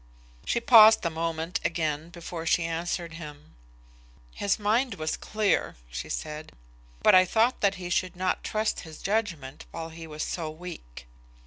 She paused a moment again before she answered him. "His mind was clear," she said; "but I thought that he should not trust his judgement while he was so weak."